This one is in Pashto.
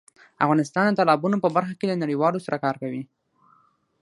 افغانستان د تالابونو په برخه کې له نړیوالو سره کار کوي.